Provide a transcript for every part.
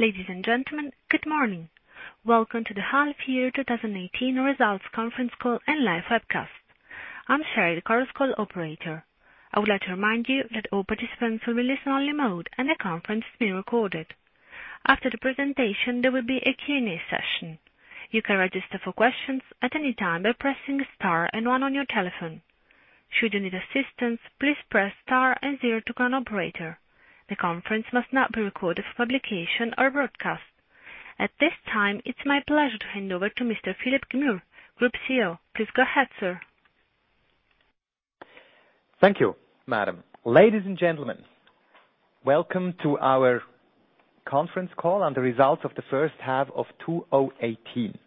Ladies and gentlemen, good morning. Welcome to the half year 2018 results conference call and live webcast. I'm Sherry, the conference call operator. I would like to remind you that all participants will be in listen-only mode, and the conference is being recorded. After the presentation, there will be a Q&A session. You can register for questions at any time by pressing star and one on your telephone. Should you need assistance, please press star and zero to connect to an operator. The conference must not be recorded for publication or broadcast. At this time, it's my pleasure to hand over to Mr. Philipp Gmür, Group CEO. Please go ahead, sir. Thank you, madam. Ladies and gentlemen, welcome to our conference call on the results of the first half of 2018.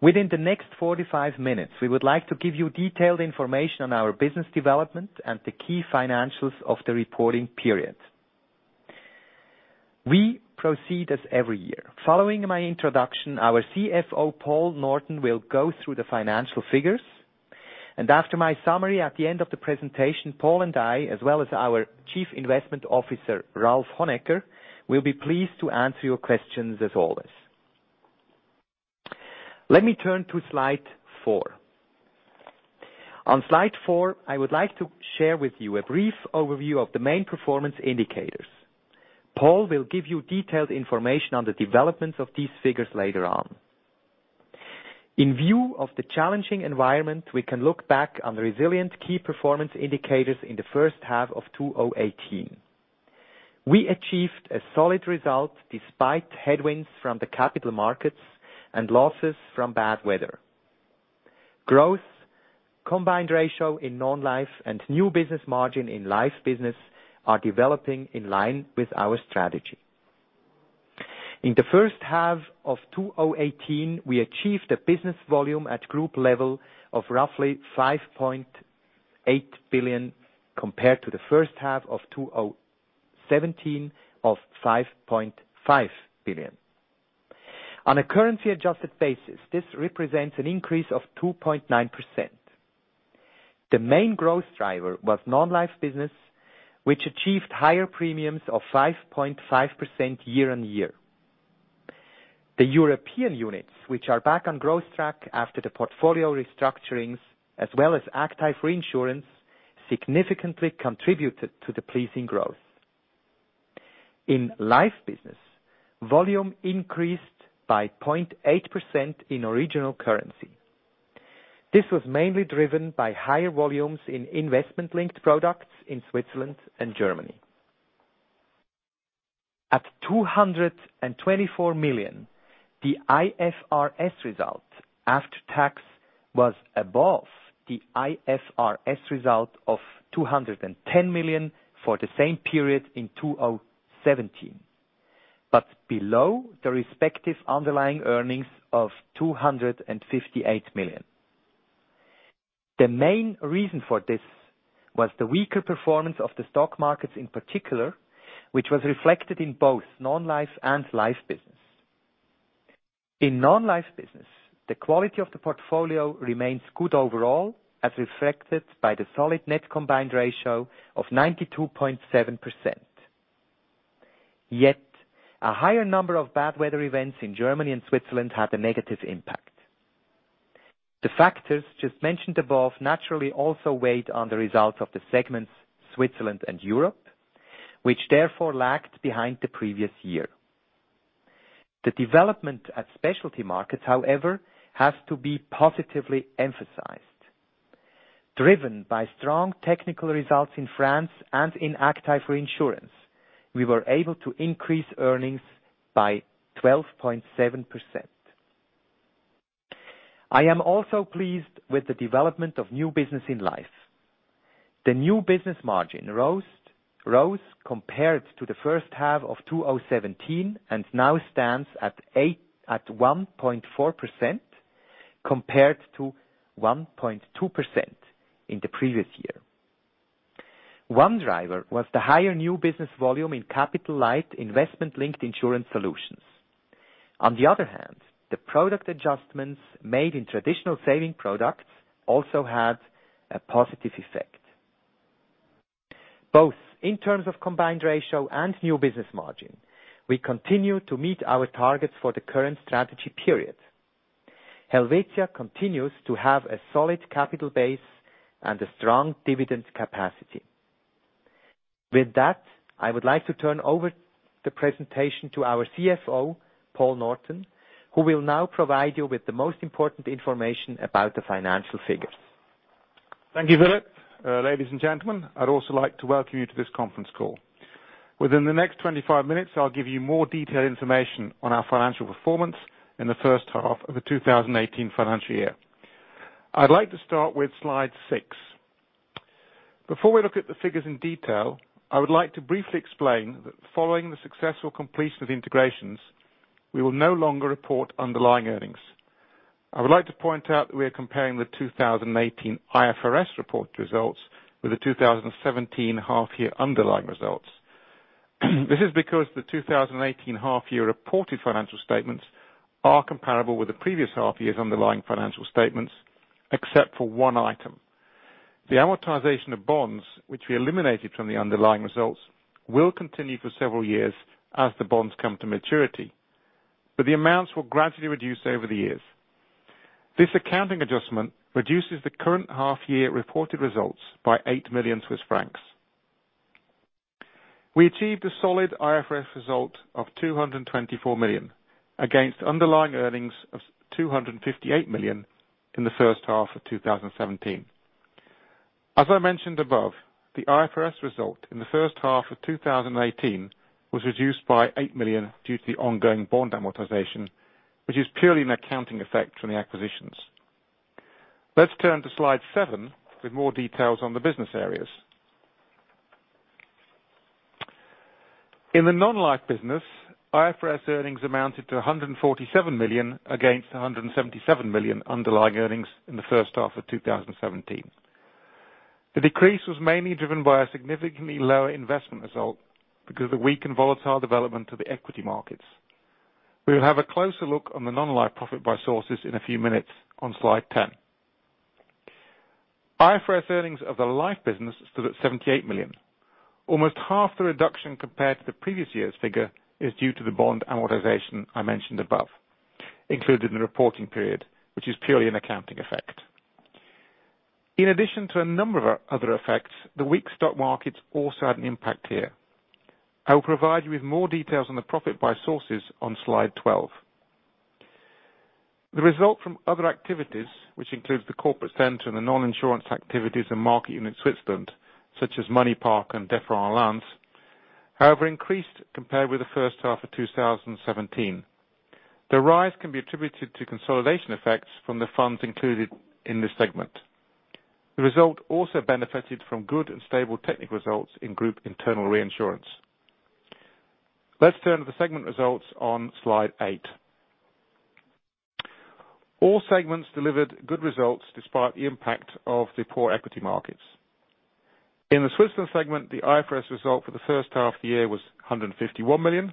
Within the next 45 minutes, we would like to give you detailed information on our business development and the key financials of the reporting period. We proceed as every year. Following my introduction, our CFO, Paul Norton, will go through the financial figures. After my summary at the end of the presentation, Paul and I, as well as our Chief Investment Officer, Ralph-Thomas Honegger, will be pleased to answer your questions as always. Let me turn to slide four. On slide four, I would like to share with you a brief overview of the main performance indicators. Paul will give you detailed information on the developments of these figures later on. In view of the challenging environment, we can look back on the resilient key performance indicators in the first half of 2018. We achieved a solid result despite headwinds from the capital markets and losses from bad weather. Growth, combined ratio in non-life, and new business margin in life business are developing in line with our strategy. In the first half of 2018, we achieved a business volume at group level of roughly 5.8 billion, compared to the first half of 2017, of 5.5 billion. On a currency-adjusted basis, this represents an increase of 2.9%. The main growth driver was non-life business, which achieved higher premiums of 5.5% year-on-year. The European units, which are back on growth track after the portfolio restructurings, as well as active reinsurance, significantly contributed to the pleasing growth. In life business, volume increased by 0.8% in original currency. This was mainly driven by higher volumes in investment-linked products in Switzerland and Germany. At 224 million, the IFRS result after tax was above the IFRS result of 210 million for the same period in 2017, but below the respective underlying earnings of 258 million. The main reason for this was the weaker performance of the stock markets in particular, which was reflected in both non-life and life business. In non-life business, the quality of the portfolio remains good overall, as reflected by the solid net combined ratio of 92.7%. Yet, a higher number of bad weather events in Germany and Switzerland had a negative impact. The factors just mentioned above naturally also weighed on the results of the segments Switzerland and Europe, which therefore lagged behind the previous year. The development at specialty markets, however, has to be positively emphasized. Driven by strong technical results in France and in active reinsurance, we were able to increase earnings by 12.7%. I am also pleased with the development of new business in life. The new business margin rose compared to the first half of 2017, now stands at 1.4% compared to 1.2% in the previous year. One driver was the higher new business volume in capital-light investment-linked insurance solutions. On the other hand, the product adjustments made in traditional saving products also had a positive effect. Both in terms of combined ratio and new business margin, we continue to meet our targets for the current strategy period. Helvetia continues to have a solid capital base and a strong dividend capacity. With that, I would like to turn over the presentation to our CFO, Paul Norton, who will now provide you with the most important information about the financial figures. Thank you, Philippe. Ladies and gentlemen, I'd also like to welcome you to this conference call. Within the next 25 minutes, I'll give you more detailed information on our financial performance in the first half of the 2018 financial year. I'd like to start with slide six. Before we look at the figures in detail, I would like to briefly explain that following the successful completion of integrations, we will no longer report underlying earnings. I would like to point out that we are comparing the 2018 IFRS reported results with the 2017 half-year underlying results. This is because the 2018 half-year reported financial statements are comparable with the previous half-year's underlying financial statements, except for one item. The amortization of bonds, which we eliminated from the underlying results, will continue for several years as the bonds come to maturity. The amounts will gradually reduce over the years. This accounting adjustment reduces the current half-year reported results by 8 million Swiss francs. We achieved a solid IFRS result of 224 million against underlying earnings of 258 million in the first half of 2017. As I mentioned above, the IFRS result in the first half of 2018 was reduced by 8 million due to the ongoing bond amortization, which is purely an accounting effect from the acquisitions. Let's turn to slide seven with more details on the business areas. In the non-life business, IFRS earnings amounted to 147 million against 177 million underlying earnings in the first half of 2017. The decrease was mainly driven by a significantly lower investment result because of the weak and volatile development of the equity markets. We will have a closer look on the non-life profit by sources in a few minutes on slide 10. IFRS earnings of the life business stood at 78 million. Almost half the reduction compared to the previous year's figure is due to the bond amortization I mentioned above, included in the reporting period, which is purely an accounting effect. In addition to a number of other effects, the weak stock markets also had an impact here. I will provide you with more details on the profit by sources on slide 12. The result from other activities, which includes the corporate center and the non-insurance activities and market unit Switzerland, such as MoneyPark and Defray, [inaudible] however increased compared with the first half of 2017. The rise can be attributed to consolidation effects from the funds included in this segment. The result also benefited from good and stable technical results in group internal reinsurance. Let's turn to the segment results on slide eight. All segments delivered good results despite the impact of the poor equity markets. In the Switzerland segment, the IFRS result for the first half of the year was 151 million.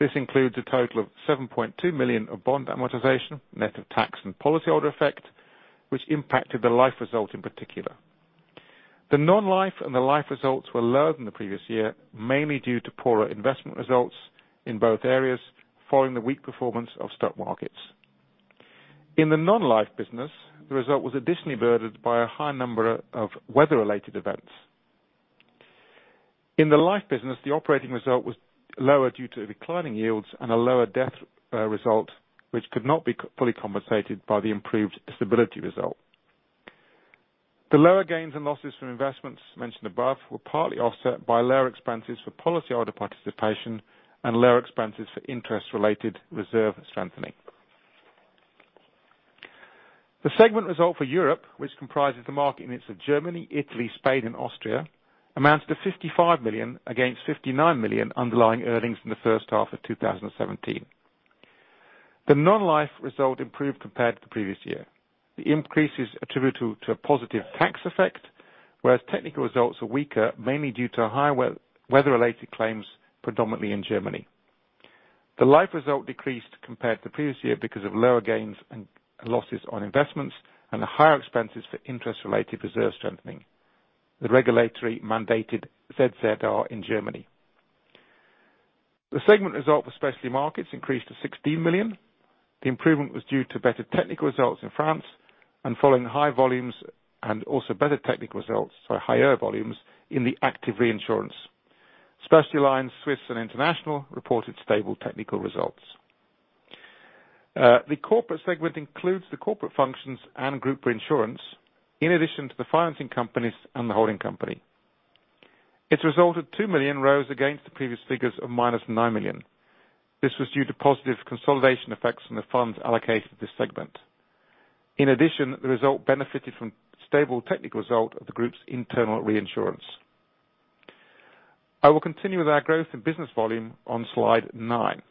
This includes a total of 7.2 million of bond amortization, net of tax and policyholder effect, which impacted the life result in particular. The non-life and the life results were lower than the previous year, mainly due to poorer investment results in both areas, following the weak performance of stock markets. In the non-life business, the result was additionally burdened by a high number of weather-related events. In the life business, the operating result was lower due to declining yields and a lower mortality result, which could not be fully compensated by the improved disability result. The lower gains and losses from investments mentioned above were partly offset by lower expenses for policyholder participation and lower expenses for interest-related reserve strengthening. The segment result for Europe, which comprises the market units of Germany, Italy, Spain, and Austria, amounts to 55 million against 59 million underlying earnings in the first half of 2017. The non-life result improved compared to the previous year. The increase is attributable to a positive tax effect, whereas technical results are weaker mainly due to higher weather-related claims, predominantly in Germany. The life result decreased compared to the previous year because of lower gains and losses on investments and the higher expenses for interest-related reserve strengthening. The regulatory mandated ZZR in Germany. The segment result for specialty markets increased to 16 million. The improvement was due to better technical results in France. Following high volumes and also better technical results, so higher volumes in the active reinsurance. Specialty lines, Swiss and international, reported stable technical results. The corporate segment includes the corporate functions and group reinsurance, in addition to the financing companies and the holding company. Its result of 2 million rose against the previous figures of minus 9 million. This was due to positive consolidation effects from the fund allocation of this segment. Additionally, the result benefited from stable technical result of the group's internal reinsurance. I will continue with our growth in business volume on slide nine.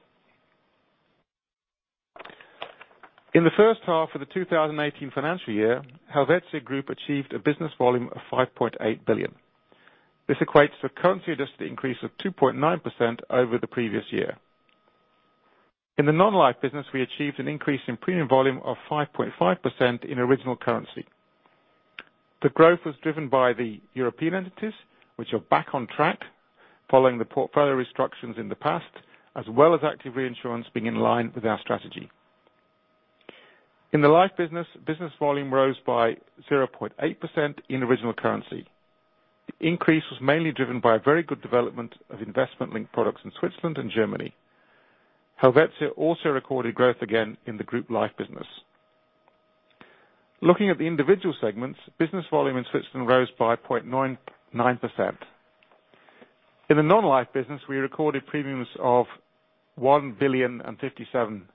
In the first half of the 2018 financial year, Helvetia Group achieved a business volume of 5.8 billion. This equates to a currency-adjusted increase of 2.9% over the previous year. In the non-life business, we achieved an increase in premium volume of 5.5% in original currency. The growth was driven by the European entities, which are back on track following the portfolio restructurings in the past, as well as active reinsurance being in line with our strategy. In the life business volume rose by 0.8% in original currency. The increase was mainly driven by a very good development of investment-linked products in Switzerland and Germany. Helvetia also recorded growth again in the group life business. Looking at the individual segments, business volume in Switzerland rose by 0.9%. In the non-life business, we recorded premiums of 1 billion and 57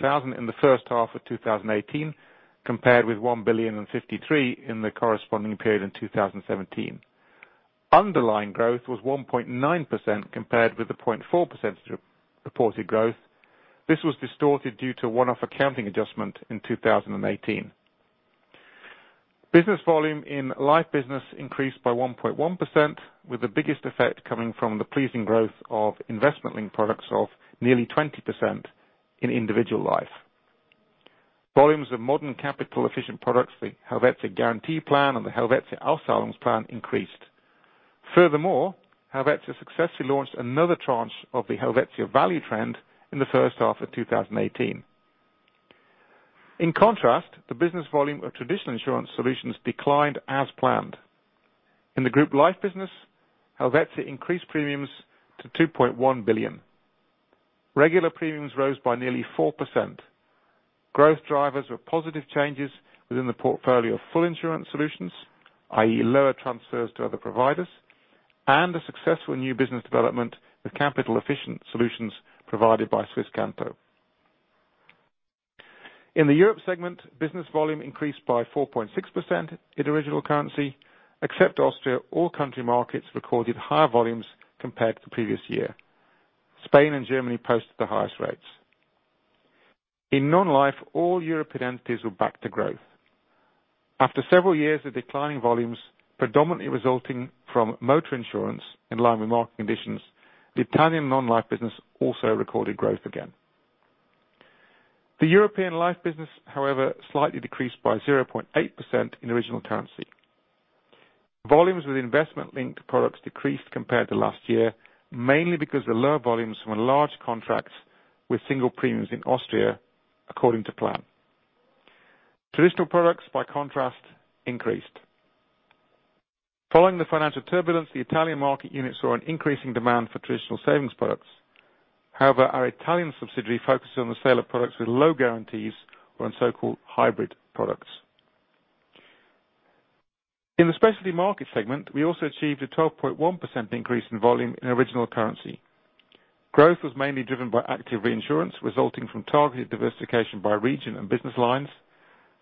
thousand in the first half of 2018, compared with 1 billion and 53 in the corresponding period in 2017. Underlying growth was 1.9% compared with the 0.4% reported growth. This was distorted due to a one-off accounting adjustment in 2018. Business volume in life business increased by 1.1%, with the biggest effect coming from the pleasing growth of investment-linked products of nearly 20% in individual life. Volumes of modern capital-efficient products, the Helvetia Guarantee Plan and the Helvetia Auszahlungsplan increased. Furthermore, Helvetia successfully launched another tranche of the Helvetia ValueTrend in the first half of 2018. In contrast, the business volume of traditional insurance solutions declined as planned. In the group life business, Helvetia increased premiums to 2.1 billion. Regular premiums rose by nearly 4%. Growth drivers were positive changes within the portfolio of full insurance solutions, i.e., lower transfers to other providers, and a successful new business development with capital-efficient solutions provided by Swisscanto. In the Europe segment, business volume increased by 4.6% in original currency. Except Austria, all country markets recorded higher volumes compared to the previous year. Spain and Germany posted the highest rates. In non-life, all European entities were back to growth. After several years of declining volumes, predominantly resulting from motor insurance in line with market conditions, the Italian non-life business also recorded growth again. The European life business, however, slightly decreased by 0.8% in original currency. Volumes with investment-linked products decreased compared to last year, mainly because of the lower volumes from large contracts with single premiums in Austria according to plan. Traditional products, by contrast, increased. Following the financial turbulence, the Italian market units saw an increasing demand for traditional savings products. However, our Italian subsidiary focuses on the sale of products with low guarantees or on so-called hybrid products. In the specialty market segment, we also achieved a 12.1% increase in volume in original currency. Growth was mainly driven by active reinsurance resulting from targeted diversification by region and business lines,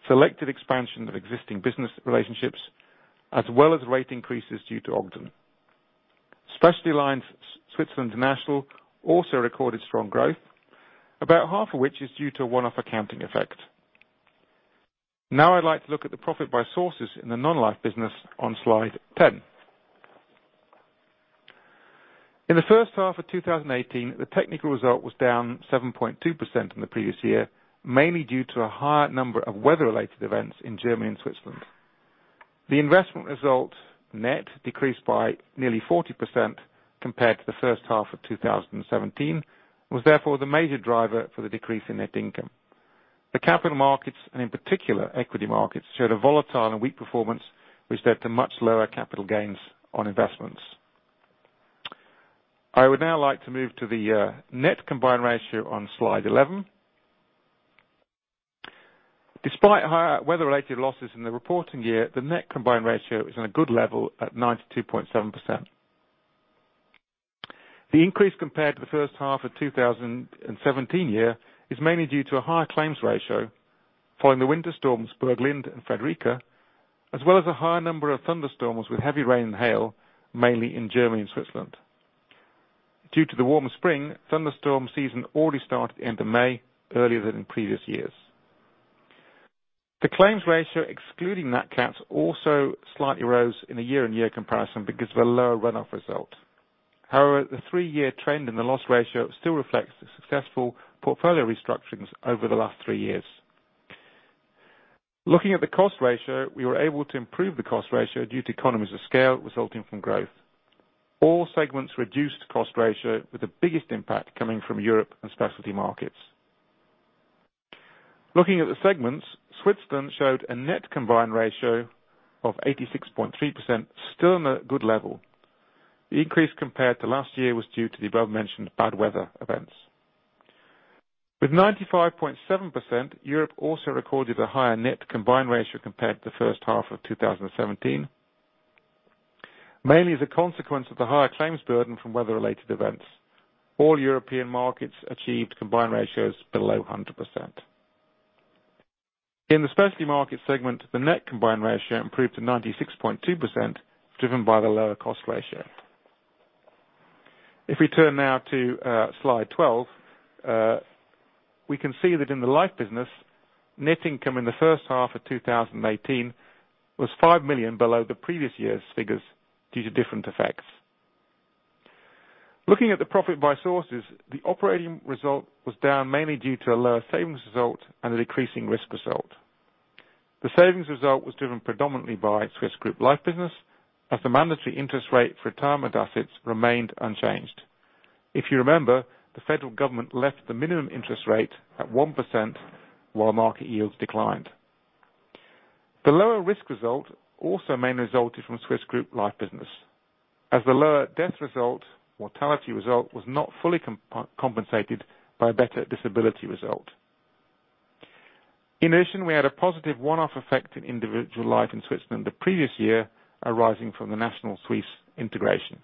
selected expansion of existing business relationships, as well as rate increases due to Ogden. Specialty lines Switzerland National also recorded strong growth, about half of which is due to a one-off accounting effect. Now I'd like to look at the profit by sources in the non-life business on slide 10. In the first half of 2018, the technical result was down 7.2% from the previous year, mainly due to a higher number of weather-related events in Germany and Switzerland. The investment result net decreased by nearly 40% compared to the first half of 2017, and was therefore the major driver for the decrease in net income. The capital markets, and in particular equity markets, showed a volatile and weak performance which led to much lower capital gains on investments. I would now like to move to the net combined ratio on slide 11. Despite higher weather-related losses in the reporting year, the net combined ratio is in a good level at 92.7%. The increase compared to the first half of 2017 year is mainly due to a higher claims ratio following the winter storms, Burglind and Friederike, as well as a high number of thunderstorms with heavy rain and hail, mainly in Germany and Switzerland. Due to the warmer spring, thunderstorm season already started at the end of May, earlier than in previous years. The claims ratio, excluding nat cats, also slightly rose in a year-on-year comparison because of a lower runoff result. However, the three-year trend in the loss ratio still reflects the successful portfolio restructurings over the last three years. Looking at the cost ratio, we were able to improve the cost ratio due to economies of scale resulting from growth. All segments reduced cost ratio with the biggest impact coming from Europe and specialty markets. Looking at the segments, Switzerland showed a net combined ratio of 86.3%, still in a good level. The increase compared to last year was due to the above-mentioned bad weather events. With 95.7%, Europe also recorded a higher net combined ratio compared to the first half of 2017, mainly as a consequence of the higher claims burden from weather-related events. All European markets achieved combined ratios below 100%. In the specialty markets segment, the net combined ratio improved to 96.2%, driven by the lower cost ratio. If we turn now to slide 12, we can see that in the life business, net income in the first half of 2018 was 5 million below the previous year's figures due to different effects. Looking at the profit by sources, the operating result was down mainly due to a lower savings result and a decreasing risk result. The savings result was driven predominantly by Swiss group life business as the mandatory interest rate for retirement assets remained unchanged. If you remember, the federal government left the minimum interest rate at 1% while market yields declined. The lower risk result also mainly resulted from Swiss group life business. As the lower death result, mortality result was not fully compensated by a better disability result. In addition, we had a positive one-off effect in individual life in Switzerland the previous year arising from the Nationale Suisse integration.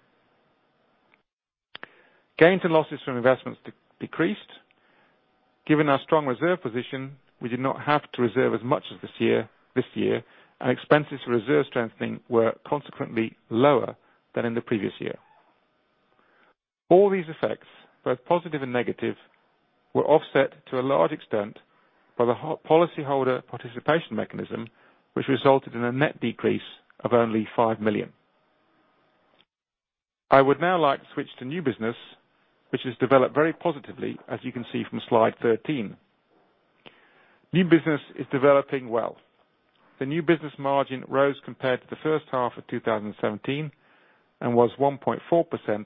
Gains and losses from investments decreased. Given our strong reserve position, we did not have to reserve as much this year, and expenses for reserve strengthening were consequently lower than in the previous year. All these effects, both positive and negative, were offset to a large extent by the policyholder participation mechanism, which resulted in a net decrease of only 5 million. I would now like to switch to new business, which has developed very positively as you can see from slide 13. New business is developing well. The new business margin rose compared to the first half of 2017, and was 1.4%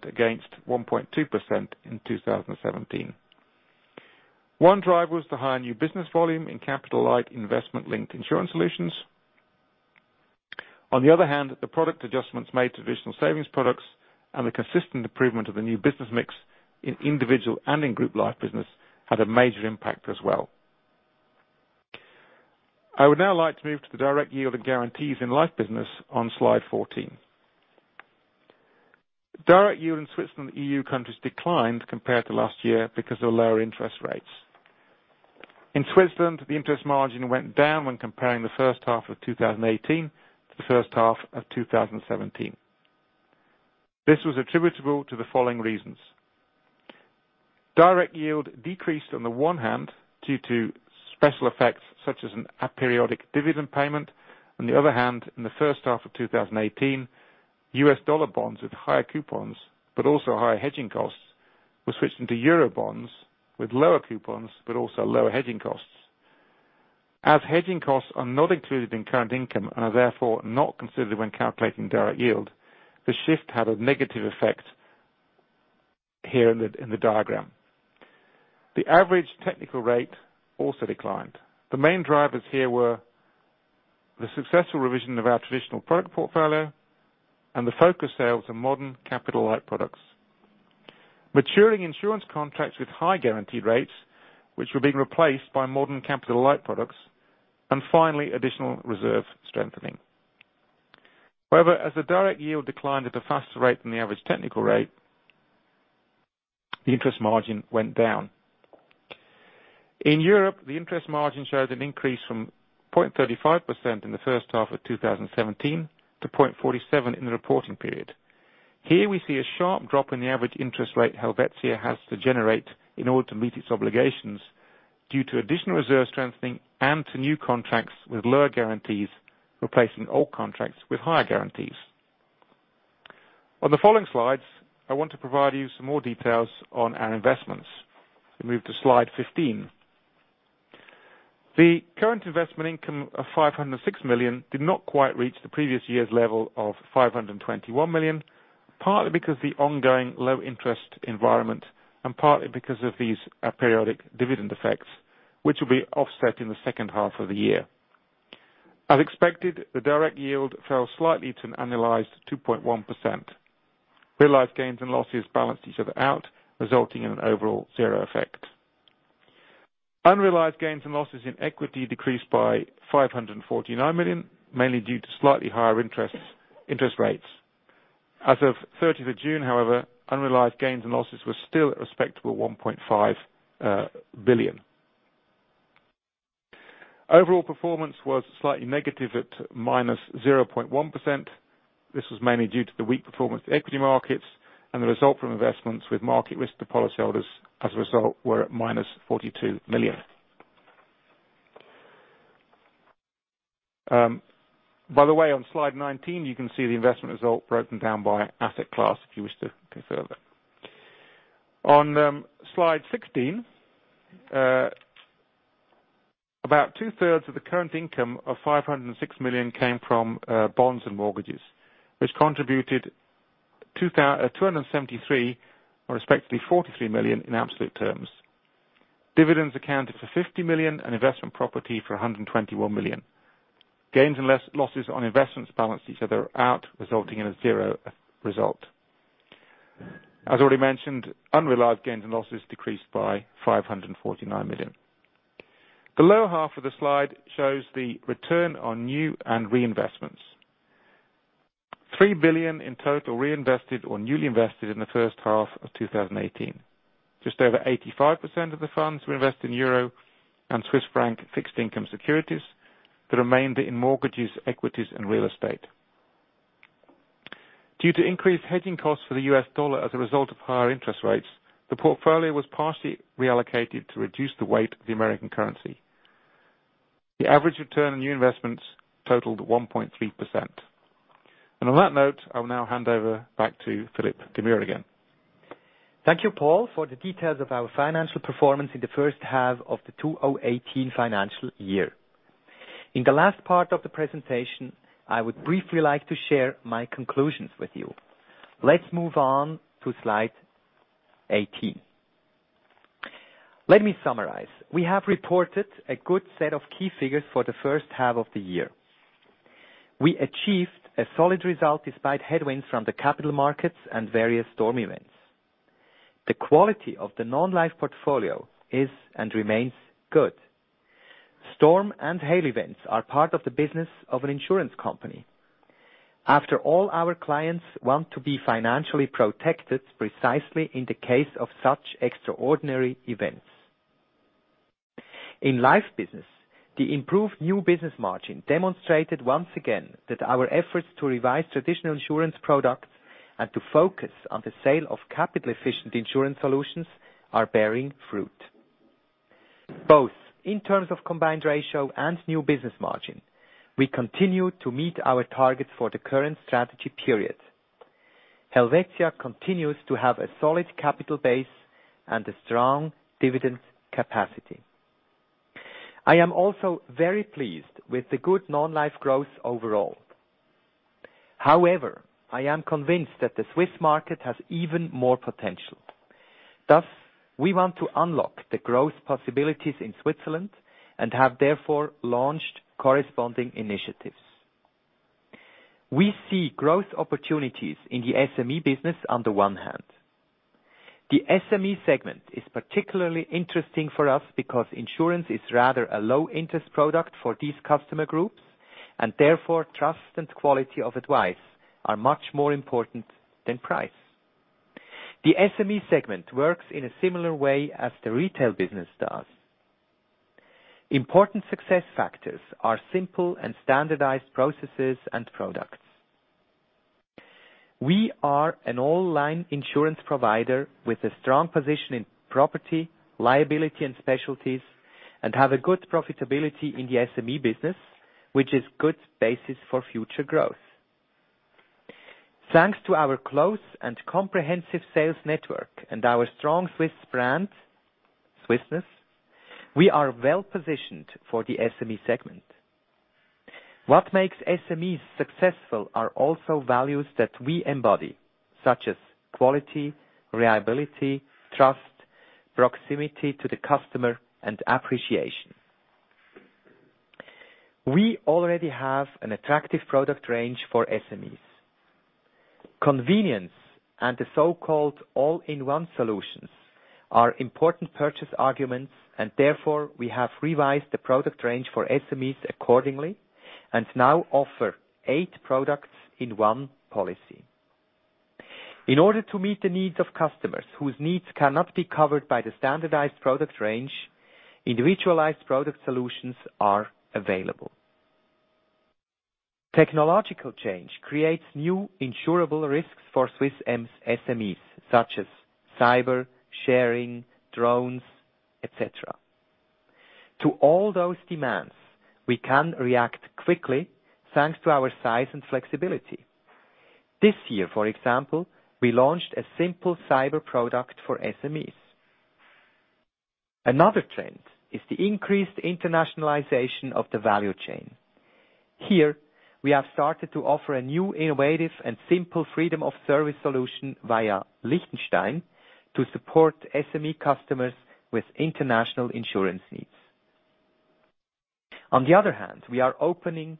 against 1.2% in 2017. One driver was the higher new business volume in capital-light investment-linked insurance solutions. On the other hand, the product adjustments made to additional savings products and the consistent improvement of the new business mix in individual and in group life business had a major impact as well. I would now like to move to the direct yield and guarantees in life business on Slide 14. Direct yield in Switzerland and EU countries declined compared to last year because of lower interest rates. In Switzerland, the interest margin went down when comparing the first half of 2018 to the first half of 2017. This was attributable to the following reasons. Direct yield decreased on the one hand due to special effects such as an aperiodic dividend payment. On the other hand, in the first half of 2018, US dollar bonds with higher coupons, but also higher hedging costs, were switched into EUR bonds with lower coupons, but also lower hedging costs. As hedging costs are not included in current income and are therefore not considered when calculating direct yield, the shift had a negative effect here in the diagram. The average technical rate also declined. The main drivers here were the successful revision of our traditional product portfolio and the focus sales on modern capital-light products. Maturing insurance contracts with high guaranteed rates, which were being replaced by modern capital-light products, and finally, additional reserve strengthening. However, as the direct yield declined at a faster rate than the average technical rate, the interest margin went down. In Europe, the interest margin showed an increase from 0.35% in the first half of 2017 to 0.47% in the reporting period. Here we see a sharp drop in the average interest rate Helvetia has to generate in order to meet its obligations due to additional reserve strengthening and to new contracts with lower guarantees replacing old contracts with higher guarantees. On the following slides, I want to provide you some more details on our investments. We move to slide 15. The current investment income of 506 million did not quite reach the previous year's level of 521 million, partly because of the ongoing low interest environment, and partly because of these aperiodic dividend effects, which will be offset in the second half of the year. As expected, the direct yield fell slightly to an annualized 2.1%. Realized gains and losses balanced each other out, resulting in an overall zero effect. Unrealized gains and losses in equity decreased by 549 million, mainly due to slightly higher interest rates. As of 30th June, however, unrealized gains and losses were still a respectable 1.5 billion. Overall performance was slightly negative at -0.1%. This was mainly due to the weak performance of equity markets and the result from investments with market risk to policyholders as a result were at -42 million. By the way, on slide 19, you can see the investment result broken down by asset class if you wish to consider that. On slide 16, about two-thirds of the current income of 506 million came from bonds and mortgages, which contributed 273 or respectively 43 million in absolute terms. Dividends accounted for 50 million and investment property for 121 million. Gains and losses on investments balanced each other out, resulting in a zero result. As already mentioned, unrealized gains and losses decreased by 549 million. The lower half of the slide shows the return on new and reinvestments. 3 billion in total reinvested or newly invested in the first half of 2018. Just over 85% of the funds were invested in euro and Swiss franc fixed income securities. The remainder in mortgages, equities, and real estate. Due to increased hedging costs for the US dollar as a result of higher interest rates, the portfolio was partially reallocated to reduce the weight of the American currency. The average return on new investments totaled 1.3%. On that note, I will now hand over back to Philipp Gmür again. Thank you, Paul, for the details of our financial performance in the first half of the 2018 financial year. In the last part of the presentation, I would briefly like to share my conclusions with you. Let's move on to slide 18. Let me summarize. We have reported a good set of key figures for the first half of the year. We achieved a solid result despite headwinds from the capital markets and various storm events. The quality of the non-life portfolio is and remains good. Storm and hail events are part of the business of an insurance company. After all, our clients want to be financially protected precisely in the case of such extraordinary events. In life business, the improved new business margin demonstrated once again that our efforts to revise traditional insurance products and to focus on the sale of capital-efficient insurance solutions are bearing fruit. Both in terms of combined ratio and new business margin, we continue to meet our targets for the current strategy period. Helvetia continues to have a solid capital base and a strong dividend capacity. I am also very pleased with the good non-life growth overall. I am convinced that the Swiss market has even more potential. We want to unlock the growth possibilities in Switzerland and have therefore launched corresponding initiatives. We see growth opportunities in the SME business on the one hand. The SME segment is particularly interesting for us because insurance is rather a low-interest product for these customer groups, and therefore trust and quality of advice are much more important than price. The SME segment works in a similar way as the retail business does. Important success factors are simple and standardized processes and products. We are an online insurance provider with a strong position in property, liability, and specialties, and have a good profitability in the SME business, which is good basis for future growth. Thanks to our close and comprehensive sales network and our strong Swiss brand, Swissness, we are well-positioned for the SME segment. What makes SMEs successful are also values that we embody, such as quality, reliability, trust, proximity to the customer, and appreciation. We already have an attractive product range for SMEs. Convenience and the so-called all-in-one solutions are important purchase arguments, and therefore we have revised the product range for SMEs accordingly and now offer eight products in one policy. In order to meet the needs of customers whose needs cannot be covered by the standardized product range, individualized product solutions are available. Technological change creates new insurable risks for Swiss SMEs, such as cyber, sharing, drones, et cetera. To all those demands, we can react quickly thanks to our size and flexibility. This year, for example, we launched a simple cyber product for SMEs. Another trend is the increased internationalization of the value chain. Here, we have started to offer a new innovative and simple freedom of service solution via Liechtenstein to support SME customers with international insurance needs. On the other hand, we are opening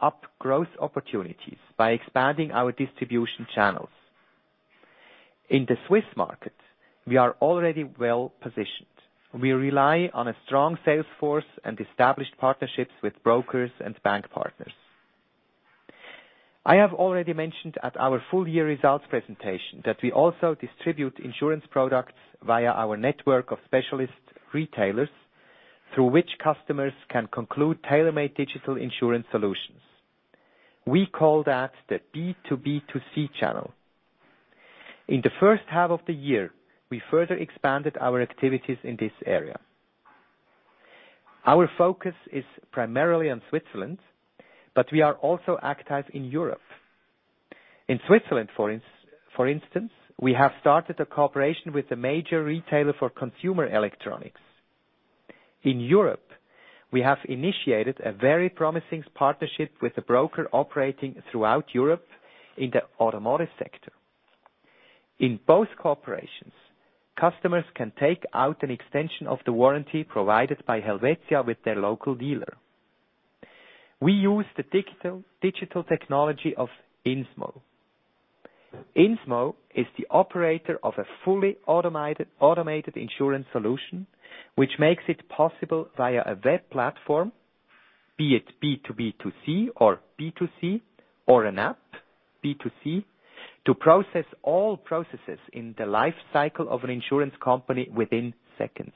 up growth opportunities by expanding our distribution channels. In the Swiss market, we are already well-positioned. We rely on a strong sales force and established partnerships with brokers and bank partners. I have already mentioned at our full-year results presentation that we also distribute insurance products via our network of specialist retailers, through which customers can conclude tailor-made digital insurance solutions. We call that the B2B2C channel. In the first half of the year, we further expanded our activities in this area. Our focus is primarily on Switzerland, but we are also active in Europe. In Switzerland, for instance, we have started a cooperation with a major retailer for consumer electronics. In Europe, we have initiated a very promising partnership with a broker operating throughout Europe in the automotive sector. In both cooperations, customers can take out an extension of the warranty provided by Helvetia with their local dealer. We use the digital technology of InsureMO. InsureMO is the operator of a fully automated insurance solution, which makes it possible via a web platform, be it B2B2C or B2C, or an app, B2C, to process all processes in the life cycle of an insurance company within seconds.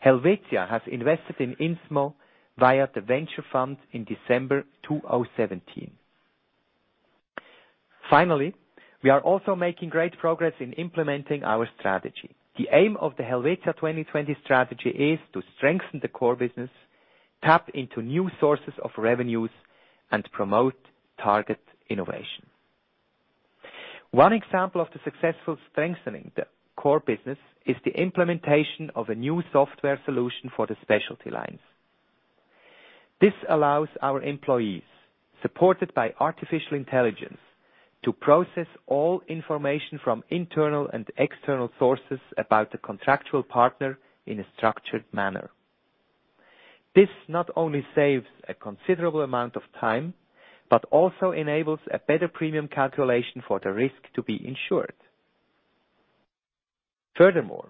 Helvetia has invested in InsureMO via the venture fund in December 2017. We are also making great progress in implementing our strategy. The aim of the helvetia 20.20 strategy is to strengthen the core business, tap into new sources of revenues, and promote target innovation. One example of the successful strengthening the core business is the implementation of a new software solution for the specialty lines. This allows our employees, supported by artificial intelligence, to process all information from internal and external sources about the contractual partner in a structured manner. This not only saves a considerable amount of time, but also enables a better premium calculation for the risk to be insured. Furthermore,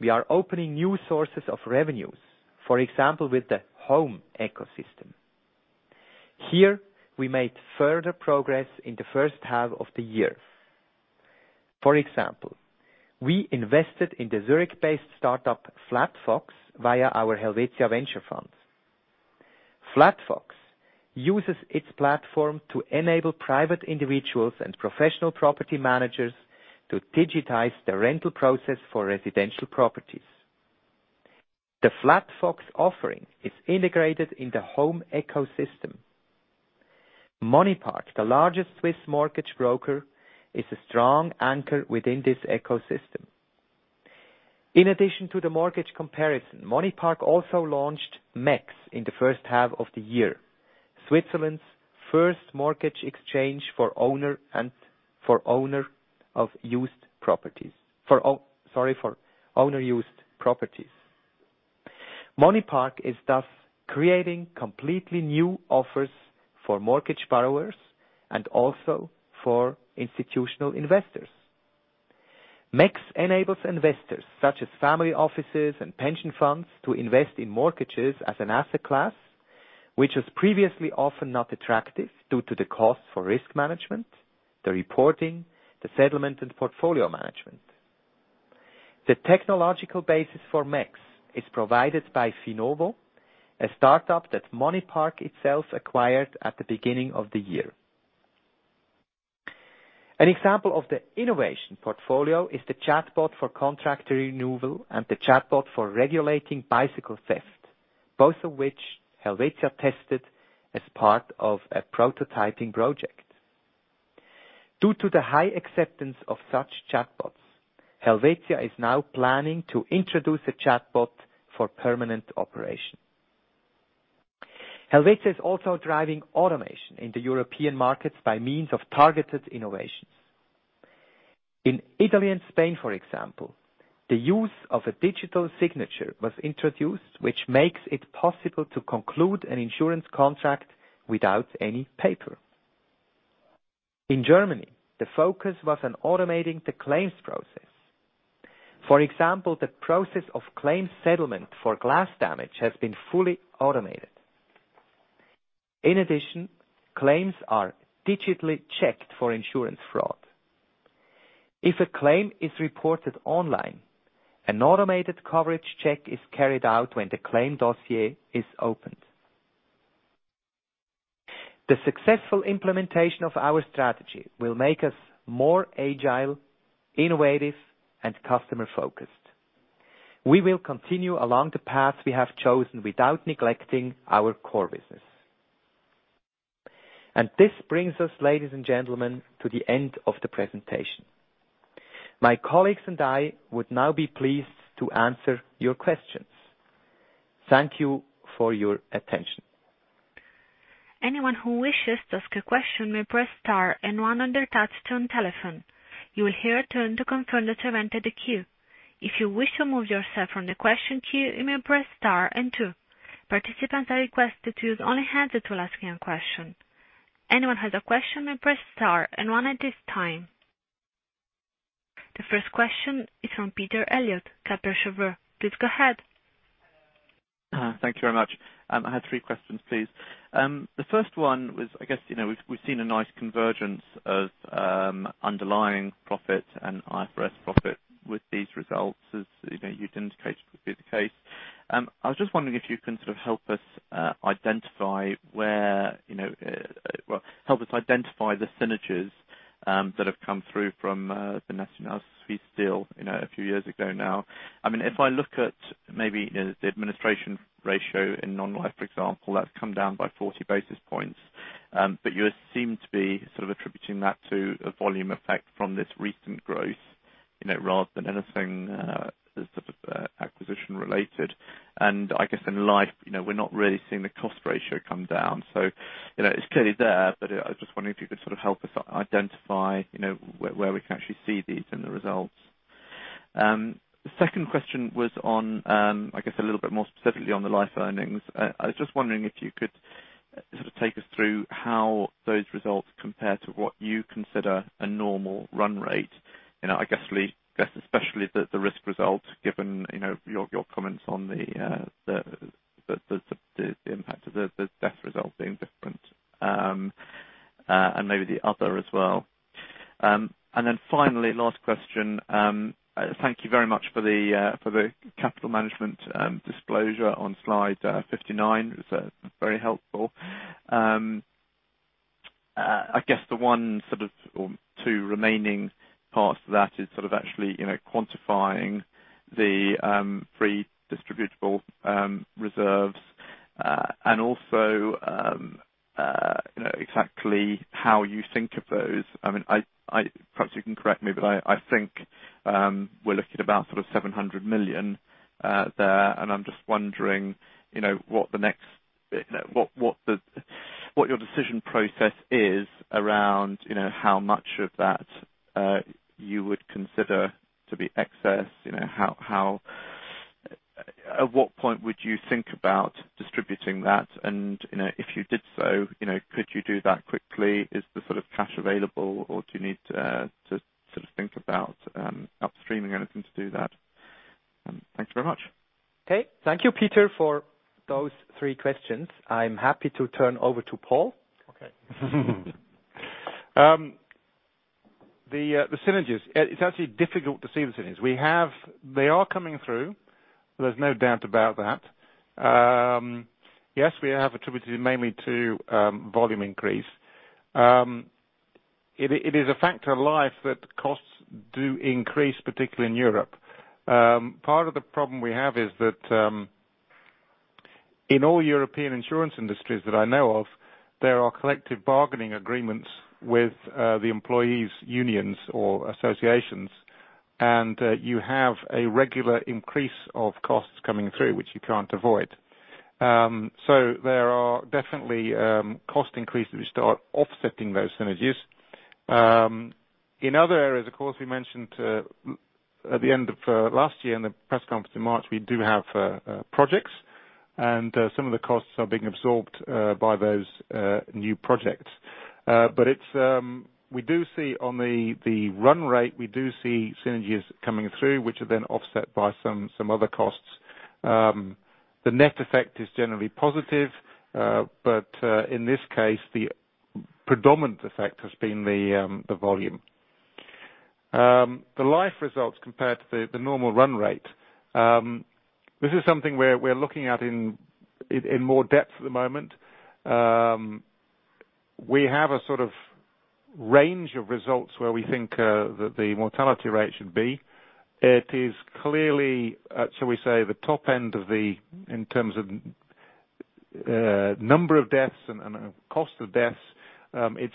we are opening new sources of revenues, for example, with the home ecosystem. Here, we made further progress in the first half of the year. For example, we invested in the Zurich-based startup Flatfox via our Helvetia venture fund. Flatfox uses its platform to enable private individuals and professional property managers to digitize the rental process for residential properties. The Flatfox offering is integrated in the home ecosystem. MoneyPark, the largest Swiss mortgage broker, is a strong anchor within this ecosystem. In addition to the mortgage comparison, MoneyPark also launched MEX in the first half of the year, Switzerland's first mortgage exchange for owner-used properties. Sorry, for owner-used properties. MoneyPark is thus creating completely new offers for mortgage borrowers and also for institutional investors. MEX enables investors, such as family offices and pension funds, to invest in mortgages as an asset class, which was previously often not attractive due to the cost for risk management, the reporting, the settlement and portfolio management. The technological basis for MEX is provided by finovo, a startup that MoneyPark itself acquired at the beginning of the year. An example of the innovation portfolio is the chatbot for contract renewal and the chatbot for regulating bicycle theft, both of which Helvetia tested as part of a prototyping project. Due to the high acceptance of such chatbots, Helvetia is now planning to introduce a chatbot for permanent operation. Helvetia is also driving automation in the European markets by means of targeted innovations. In Italy and Spain, for example, the use of a digital signature was introduced, which makes it possible to conclude an insurance contract without any paper. In Germany, the focus was on automating the claims process. For example, the process of claims settlement for glass damage has been fully automated. In addition, claims are digitally checked for insurance fraud. If a claim is reported online, an automated coverage check is carried out when the claim dossier is opened. The successful implementation of our strategy will make us more agile, innovative, and customer-focused. We will continue along the path we have chosen without neglecting our core business. This brings us, ladies and gentlemen, to the end of the presentation. My colleagues and I would now be pleased to answer your questions. Thank you for your attention. Anyone who wishes to ask a question may press star 1 on their touch-tone telephone. You will hear a tone to confirm that you have entered the queue. If you wish to remove yourself from the question queue, you may press star 2. Participants are requested to use only hands up to ask a question. Anyone who has a question may press star 1 at this time. The first question is from Peter Eliot, Credit Suisse. Please go ahead. Thank you very much. I have three questions, please. The first one was, I guess, we've seen a nice convergence of underlying profit and IFRS profit with these results, as you've indicated would be the case. I was just wondering if you can sort of help us identify the synergies that have come through from the Nationale Suisse deal a few years ago now. If I look at maybe the administration ratio in non-life, for example, that's come down by 40 basis points. You seem to be sort of attributing that to a volume effect from this recent growth, rather than anything sort of acquisition-related. I guess in life, we're not really seeing the cost ratio come down. It's clearly there, but I was just wondering if you could sort of help us identify where we can actually see these in the results. The second question was on, I guess a little bit more specifically on the life earnings. I was just wondering if you could sort of take us through how those results compare to what you consider a normal run rate. I guess especially the risk results, given your comments on the impact of the death results being different, and maybe the other as well. Finally, last question. Thank you very much for the capital management disclosure on slide 59. It was very helpful. I guess the one sort of, or two remaining parts to that is sort of actually quantifying the free distributable reserves. Also exactly how you think of those. Perhaps you can correct me, but I think we're looking at about sort of 700 million there, I'm just wondering what your decision process is around how much of that you would consider to be excess. At what point would you think about distributing that? If you did so, could you do that quickly? Is the sort of cash available or do you need to sort of think about upstreaming anything to do that? Thank you very much. Okay. Thank you, Peter, for those three questions. I'm happy to turn over to Paul. Okay. The synergies. It's actually difficult to see the synergies. They are coming through, there's no doubt about that. Yes, we have attributed it mainly to volume increase. It is a fact of life that costs do increase, particularly in Europe. Part of the problem we have is that in all European insurance industries that I know of, there are collective bargaining agreements with the employees' unions or associations, you have a regular increase of costs coming through, which you can't avoid. There are definitely cost increases which start offsetting those synergies. In other areas, of course, we mentioned at the end of last year in the press conference in March, we do have projects. Some of the costs are being absorbed by those new projects. On the run rate, we do see synergies coming through, which are then offset by some other costs. The net effect is generally positive. In this case, the predominant effect has been the volume. The life results compared to the normal run rate. This is something we're looking at in more depth at the moment. We have a sort of range of results where we think that the mortality rate should be. It is clearly, shall we say, the top end in terms of number of deaths and cost of deaths. It's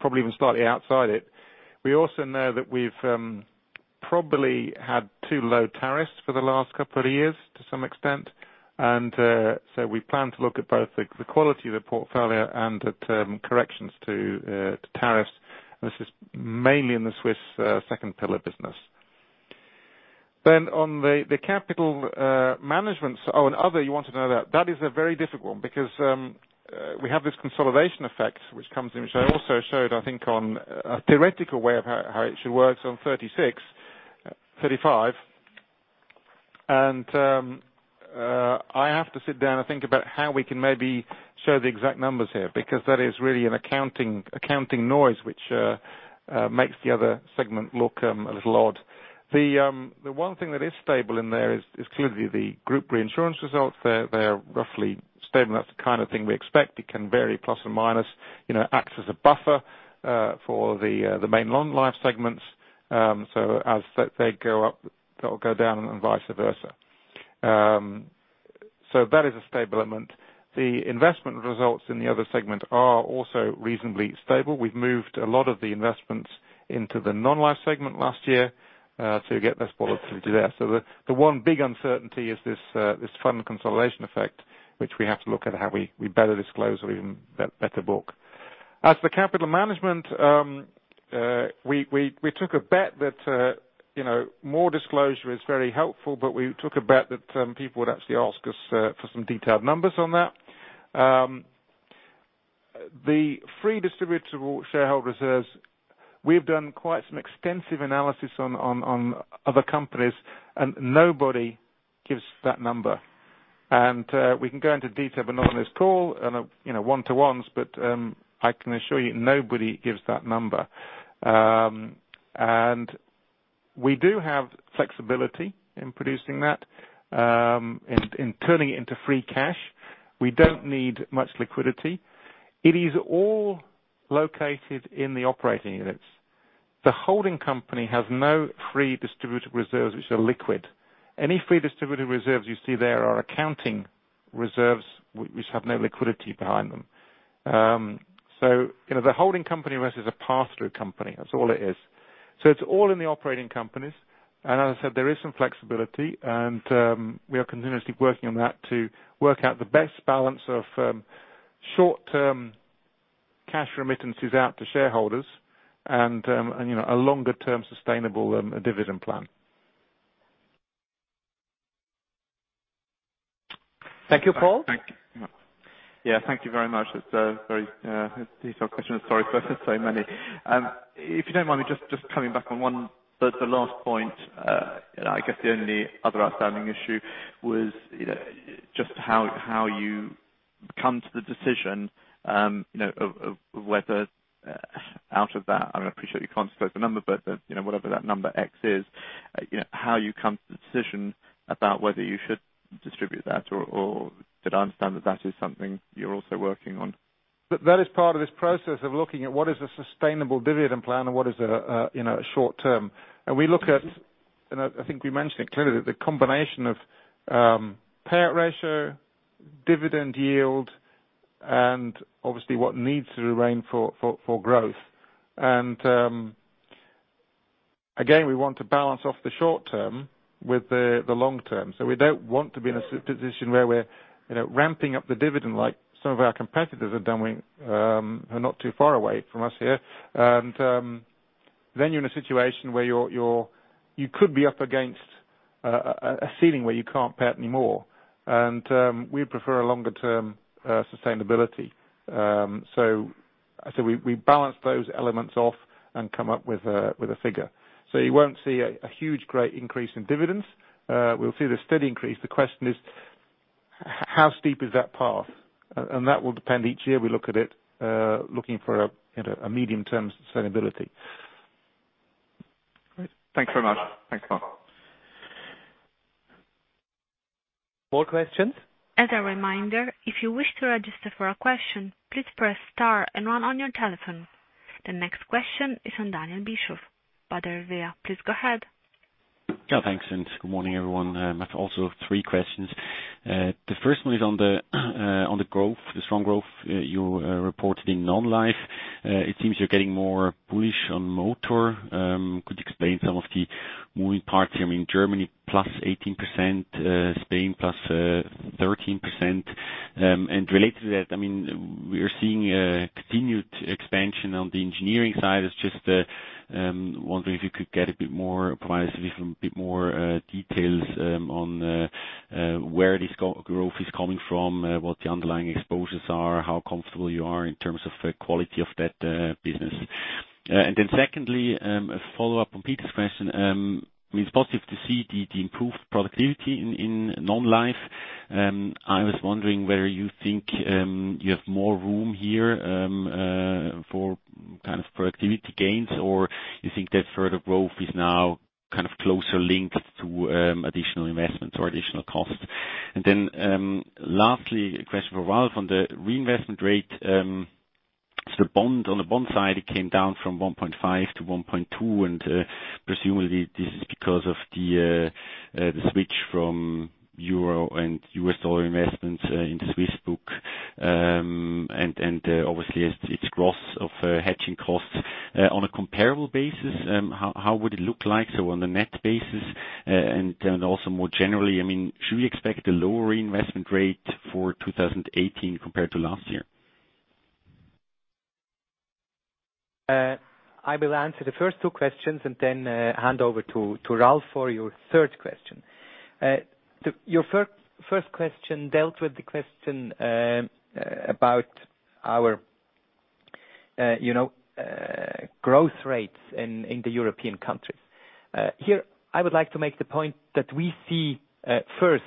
probably even slightly outside it. We also know that we've probably had too low tariffs for the last couple of years to some extent. We plan to look at both the quality of the portfolio and at corrections to tariffs. This is mainly in the Swiss second pillar business. On the capital management. Oh, on other, you want to know that. That is a very difficult one because we have this consolidation effect which comes in, which I also showed, I think on a theoretical way of how it should work, so on 36, 35. I have to sit down and think about how we can maybe show the exact numbers here, because that is really an accounting noise, which makes the other segment look a little odd. The one thing that is stable in there is clearly the group reinsurance results. They're roughly stable, and that's the kind of thing we expect. It can vary plus or minus, acts as a buffer for the main non-life segments. As they go up, they'll go down, and vice versa. That is a stable element. The investment results in the other segment are also reasonably stable. We've moved a lot of the investments into the non-life segment last year, you get less volatility there. The one big uncertainty is this fund consolidation effect, which we have to look at how we better disclose or even better book. As for capital management, we took a bet that more disclosure is very helpful, we took a bet that people would actually ask us for some detailed numbers on that. The free distributable shareholder reserves, we have done quite some extensive analysis on other companies, nobody gives that number. We can go into detail, but not on this call, on one-to-ones, I can assure you, nobody gives that number. We do have flexibility in producing that, in turning it into free cash. We don't need much liquidity. It is all located in the operating units. The holding company has no free distributed reserves which are liquid. Any free distributed reserves you see there are accounting reserves which have no liquidity behind them. The holding company with us is a pass-through company. That's all it is. It's all in the operating companies. As I said, there is some flexibility, we are continuously working on that to work out the best balance of short-term cash remittances out to shareholders and a longer-term sustainable dividend plan. Thank you, Paul. Yeah. Thank you very much. It's a very detailed question. Sorry for asking so many. If you don't mind, just coming back on one. The last point, I guess the only other outstanding issue was just how you come to the decision of whether out of that, I appreciate you can't disclose the number, but whatever that number X is, how you come to the decision about whether you should distribute that, or did I understand that that is something you're also working on? That is part of this process of looking at what is a sustainable dividend plan and what is a short term. We look at, and I think we mentioned it clearly, that the combination of payout ratio, dividend yield, and obviously what needs to reign for growth. Again, we want to balance off the short term with the long term. We don't want to be in a position where we're ramping up the dividend like some of our competitors have done, who are not too far away from us here. Then you're in a situation where you could be up against a ceiling where you can't pay out anymore. We prefer a longer-term sustainability. We balance those elements off and come up with a figure. You won't see a huge great increase in dividends. We'll see the steady increase. The question is How steep is that path? That will depend each year we look at it, looking for a medium-term sustainability. Great. Thanks very much. Thanks, Paul. More questions? As a reminder, if you wish to register for a question, please press star and one on your telephone. The next question is from Daniel Bischof, Baader Helvea. Please go ahead. Thanks, good morning, everyone. I have also three questions. The first one is on the growth, the strong growth you reported in non-life. It seems you're getting more bullish on motor. Could you explain some of the moving parts here in Germany, +18%, Spain +13%. Related to that, we're seeing a continued expansion on the engineering side. It's just wondering if you could get a bit more, provide us with a bit more details on where this growth is coming from, what the underlying exposures are, how comfortable you are in terms of quality of that business. Secondly, a follow-up on Peter's question. It's positive to see the improved productivity in non-life. I was wondering whether you think you have more room here for productivity gains, or you think that further growth is now closer linked to additional investments or additional costs. Lastly, a question for Ralph on the reinvestment rate. On the bond side, it came down from 1.5 to 1.2, presumably this is because of the switch from euro and U.S. dollar investments in the Swiss book, obviously its gross of hedging costs. On a comparable basis, how would it look like? On the net basis, also more generally, should we expect a lower reinvestment rate for 2018 compared to last year? I will answer the first two questions and then hand over to Ralph for your third question. Your first question dealt with the question about our growth rates in the European countries. Here, I would like to make the point that we see, first,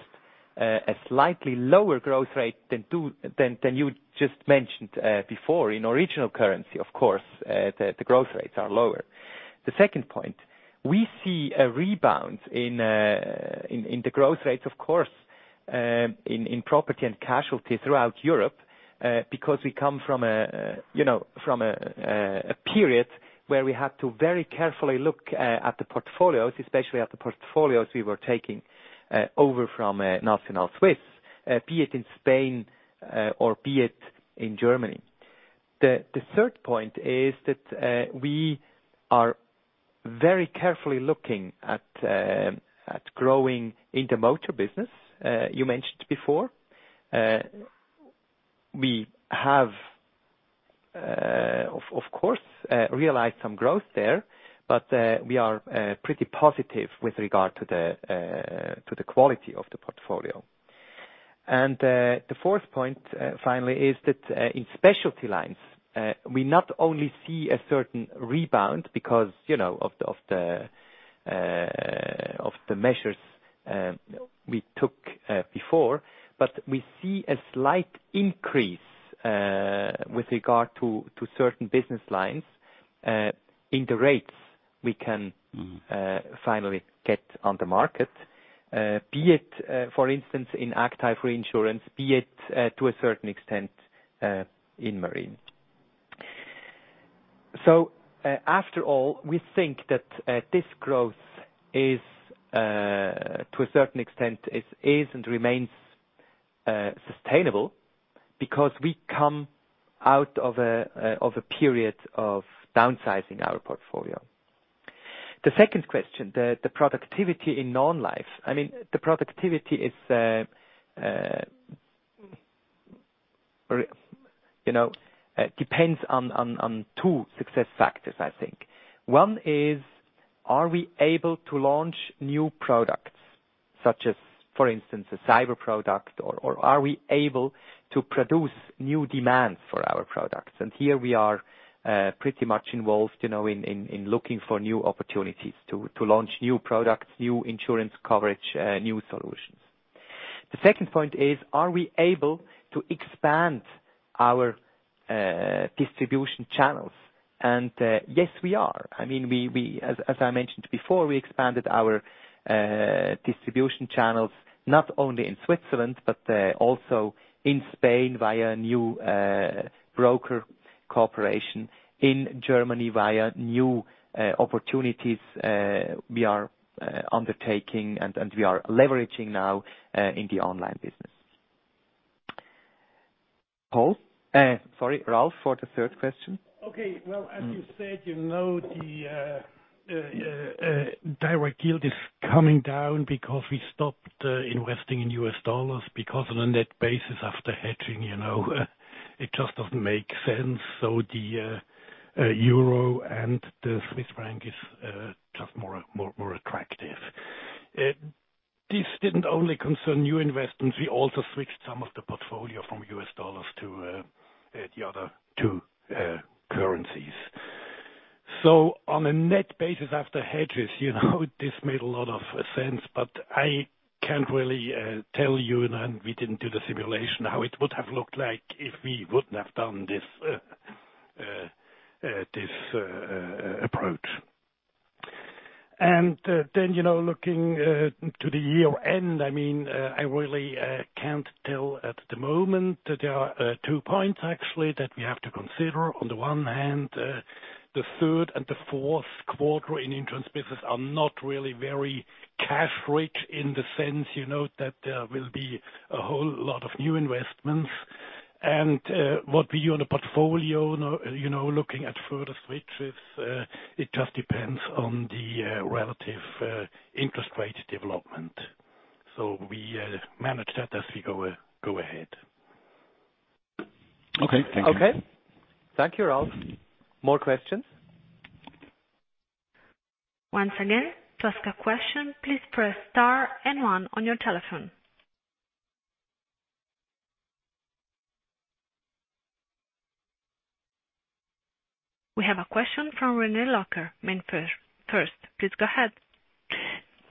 a slightly lower growth rate than you just mentioned before. In original currency, of course, the growth rates are lower. The second point, we see a rebound in the growth rates, of course, in property and casualty throughout Europe, because we come from a period where we had to very carefully look at the portfolios, especially at the portfolios we were taking over from Nationale Suisse, be it in Spain or be it in Germany. The third point is that we are very carefully looking at growing in the motor business. You mentioned before. We have, of course, realized some growth there, but we are pretty positive with regard to the quality of the portfolio. The fourth point, finally, is that in specialty lines, we not only see a certain rebound because of the measures we took before, but we see a slight increase with regard to certain business lines in the rates we can finally get on the market. Be it, for instance, in active reinsurance, be it to a certain extent in marine. After all, we think that this growth is, to a certain extent, is and remains sustainable because we come out of a period of downsizing our portfolio. The second question, the productivity in non-life. The productivity depends on two success factors, I think. One is, are we able to launch new products? Such as, for instance, a cyber product or are we able to produce new demands for our products? Here we are pretty much involved in looking for new opportunities to launch new products, new insurance coverage, new solutions. The second point is, are we able to expand our distribution channels? Yes, we are. As I mentioned before, we expanded our distribution channels, not only in Switzerland but also in Spain via new broker cooperation. In Germany via new opportunities we are undertaking and we are leveraging now in the online business. Paul? Sorry, Ralph, for the third question. Well, as you said, the direct yield is coming down because we stopped investing in US dollars because on a net basis after hedging, it just doesn't make sense. The euro and the Swiss franc is just more attractive. This didn't only concern new investments. We also switched some of the portfolio from US dollars to the other two currencies. On a net basis after hedges, this made a lot of sense, but I can't really tell you, and we didn't do the simulation, how it would have looked like if we wouldn't have done this approach. Then, looking to the year-end, I really can't tell at the moment. There are two points actually that we have to consider. On the one hand, the third and the fourth quarter in insurance business are not really very cash-rich in the sense that there will be a whole lot of new investments. What we do on a portfolio, looking at further switches, it just depends on the relative interest rate development. We manage that as we go ahead. Okay. Thank you. Okay. Thank you, Ralph. More questions? Once again, to ask a question, please press star and one on your telephone. We have a question from René Locker, MainFirst. Please go ahead.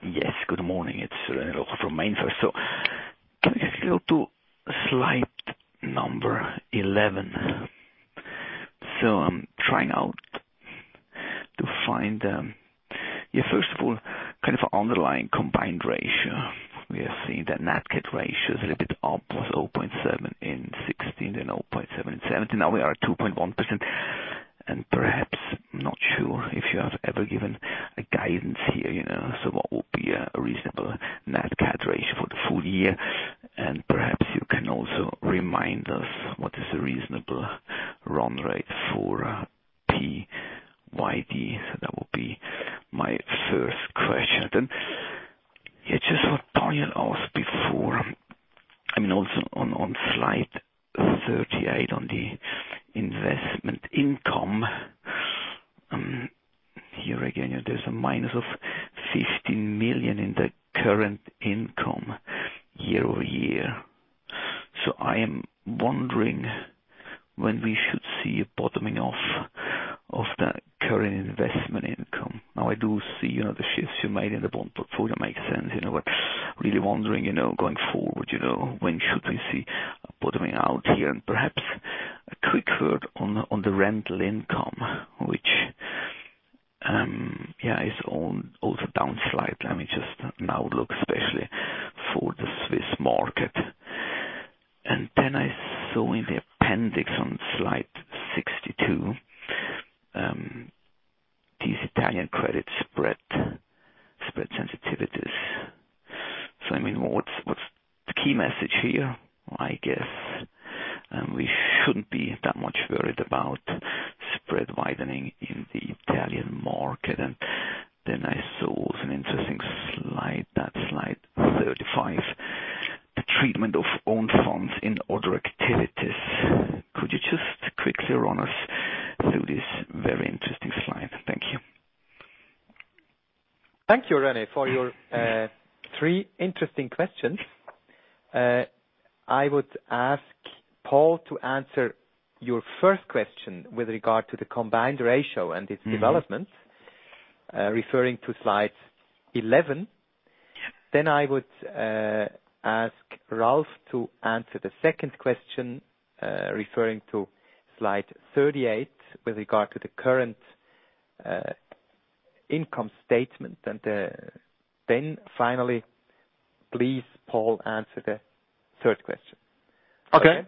Yes, good morning. It's René Locker from MainFirst. Can we just go to slide 11? I'm trying out to find, first of all, kind of an underlying combined ratio. We are seeing the nat cat ratio is a little bit up, was 0.7% in 2016, then 0.7% in 2017. Now we are at 2.1%, and perhaps, not sure if you have ever given a guidance here, what would be a reasonable nat cat ratio for the full year? And perhaps you can also remind us what is a reasonable run rate for PYD? That would be my first question. Then, just what Daniel asked before, also on slide 38 on the investment income. Here again, there's a minus of 15 million in the current income year-over-year. I am wondering when we should see a bottoming out of that current investment income. I do see the shifts you made in the bond portfolio makes sense. Really wondering, going forward, when should we see a bottoming out here? Perhaps a quick word on the rental income, which is also down slightly. I mean, just an outlook, especially for the Swiss market. Then I saw in the appendix on slide 62, these Italian credit spread sensitivities. What's the key message here? I guess we shouldn't be that much worried about spread widening in the Italian market. Then I saw an interesting slide, that's slide 35. The treatment of own funds in other activities. Could you just quickly run us through this very interesting slide? Thank you. Thank you, René, for your three interesting questions. I would ask Paul to answer your first question with regard to the combined ratio and its developments, referring to slide 11. I would ask Ralph to answer the second question, referring to slide 38 with regard to the current income statement. Finally, please, Paul, answer the third question. Okay.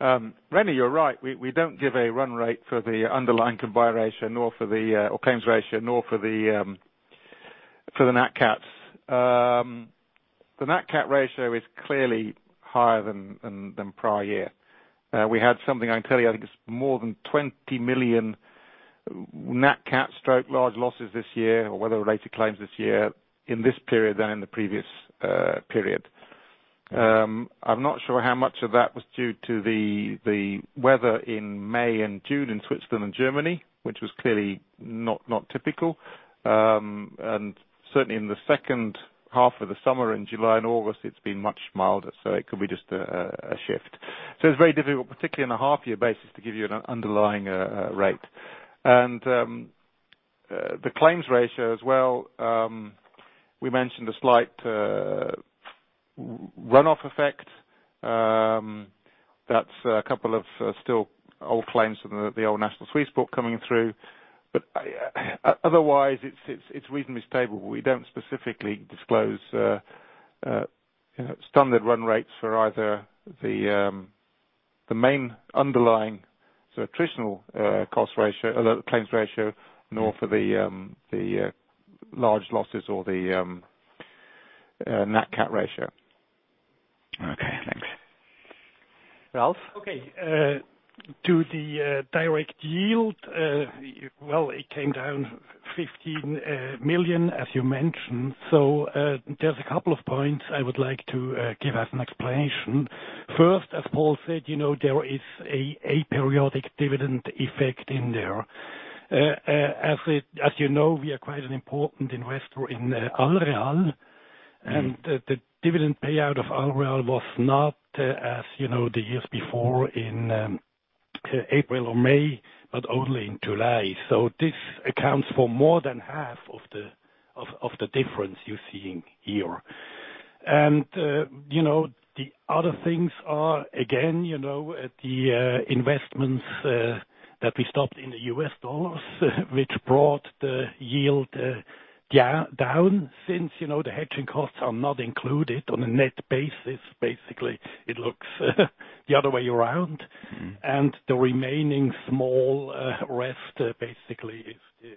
René, you're right. We don't give a run rate for the underlying combined ratio or claims ratio, nor for the natural catastrophe. The natural catastrophe ratio is clearly higher than prior year. We had something, I can tell you, I think it's more than 20 million natural catastrophe/large losses this year, or weather-related claims this year in this period than in the previous period. I'm not sure how much of that was due to the weather in May and June in Switzerland and Germany, which was clearly not typical. Certainly in the second half of the summer in July and August, it's been much milder, so it could be just a shift. It's very difficult, particularly on a half-year basis, to give you an underlying rate. The claims ratio as well, we mentioned a slight runoff effect. That's a couple of still old claims from the old Nationale Suisse book coming through. Otherwise, it's reasonably stable. We don't specifically disclose standard run rates for either the main underlying traditional claims ratio nor for the large losses or the natural catastrophe ratio. Okay, thanks. Ralph? Okay. To the direct yield. Well, it came down 15 million, as you mentioned. There's a couple of points I would like to give as an explanation. First, as Paul said, there is a periodic dividend effect in there. As you know, we are quite an important investor in Allreal. The dividend payout of Allreal was not as the years before in April or May, but only in July. This accounts for more than half of the difference you're seeing here. The other things are, again, the investments that we stopped in the US dollars, which brought the yield down. Since the hedging costs are not included on a net basis, basically, it looks the other way around. The remaining small rest basically is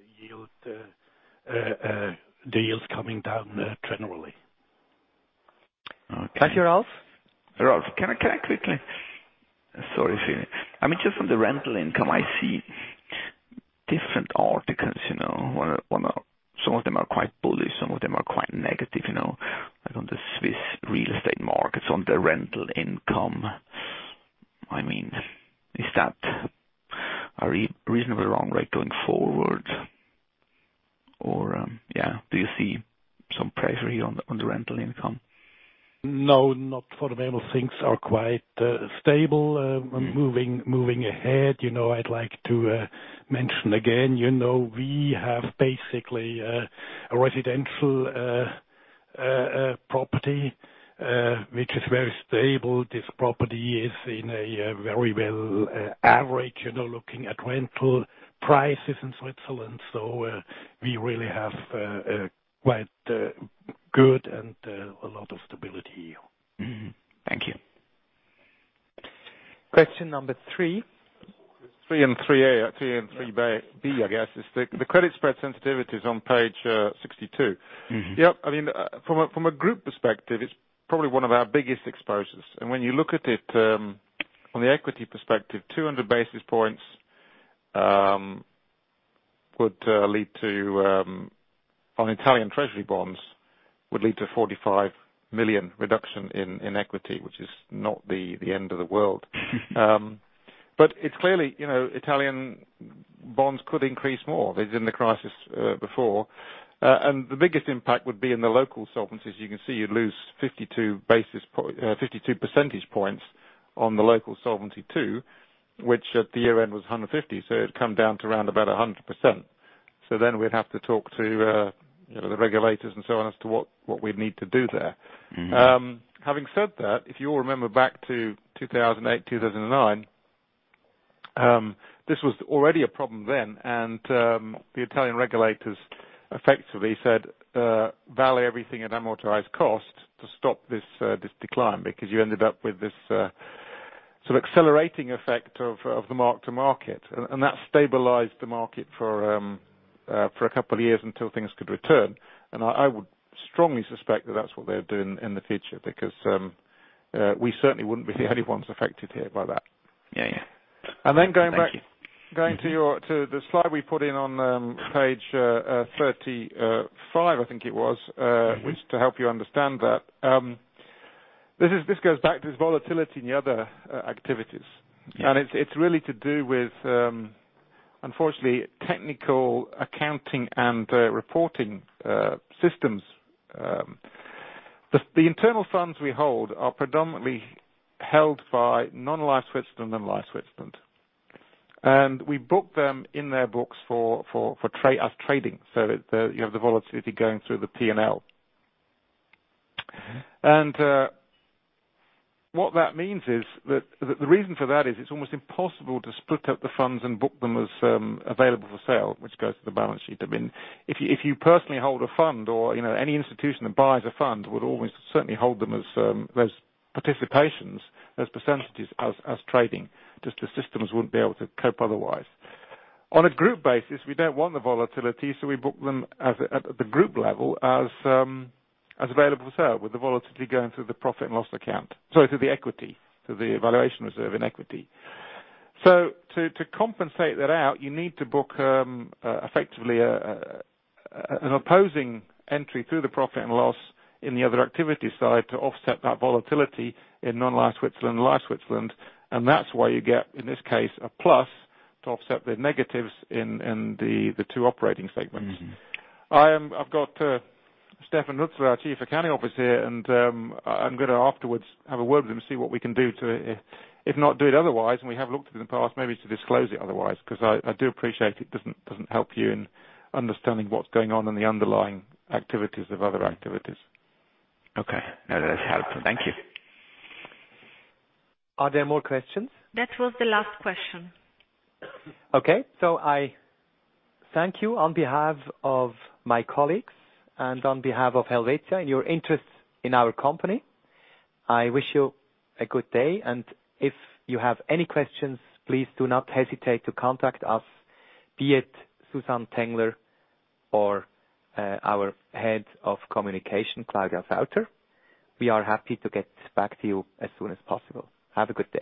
the yields coming down generally. Okay. Hi, Ralph. Ralph, Sorry, Philipp. Just from the rental income, I see different articles. Some of them are quite bullish, some of them are quite negative. Like on the Swiss real estate markets, on the rental income. Is that a reasonably run rate going forward or do you see some pressure on the rental income? No, not for the moment. Things are quite stable. Moving ahead, I'd like to mention again, we have basically a residential property, which is very stable. This property is in a very well area, looking at rental prices in Switzerland. We really have quite good and a lot of stability. Thank you. Question number three. Three and 3B, I guess. Is the credit spread sensitivities on page 62. Yep. From a group perspective, it's probably one of our biggest exposures. When you look at it from the equity perspective, 200 basis points would, on Italian Treasury bonds, lead to a 45 million reduction in equity, which is not the end of the world. It's clearly, Italian bonds could increase more. They did in the crisis before. The biggest impact would be in the local solvency, as you can see, you'd lose 52 percentage points on the local Solvency II, which at the year-end was 150%. It would come down to around about 100%. We'd have to talk to the regulators and so on as to what we'd need to do there. Having said that, if you all remember back to 2008, 2009, this was already a problem then. The Italian regulators effectively said, "Value everything at amortized cost to stop this decline." You ended up with this sort of accelerating effect of the mark-to-market. That stabilized the market for a couple of years until things could return. I would strongly suspect that that's what they'll do in the future, because we certainly wouldn't be the only ones affected here by that. Yeah. Thank you. Going to the slide we put in on page 35, I think it was- which to help you understand that. This goes back to this volatility in the other activities. Yeah. It's really to do with, unfortunately, technical accounting and reporting systems. The internal funds we hold are predominantly held by Non-Life Switzerland and Life Switzerland. We book them in their books as trading, so that you have the volatility going through the P&L. What that means is that, the reason for that is it's almost impossible to split up the funds and book them as available for sale, which goes to the balance sheet. If you personally hold a fund or any institution that buys a fund would always certainly hold them as participations, as percentages, as trading. The systems wouldn't be able to cope otherwise. On a group basis, we don't want the volatility, we book them at the group level as available for sale, with the volatility going through the profit and loss account. Sorry, through the equity, through the valuation reserve in equity. To compensate that out, you need to book effectively an opposing entry through the profit and loss in the other activity side to offset that volatility in Non-life Switzerland, Life Switzerland. That's why you get, in this case, a plus to offset the negatives in the two operating segments. I've got (Stefan Hutzler), our Chief Accounting Officer here, and I'm going to afterwards have a word with him to see what we can do to, if not do it otherwise, and we have looked in the past, maybe to disclose it otherwise. I do appreciate it doesn't help you in understanding what's going on in the underlying activities of other activities. Okay. No, that's helpful. Thank you. Are there more questions? That was the last question. Okay. I thank you on behalf of my colleagues and on behalf of Helvetia, in your interest in our company. I wish you a good day, and if you have any questions, please do not hesitate to contact us, be it Susan Tengler or our Head of Communication, Claudia Falter. We are happy to get back to you as soon as possible. Have a good day.